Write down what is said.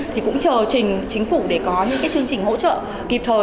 thì cũng chờ trình chính phủ để có những cái chương trình hỗ trợ kịp thời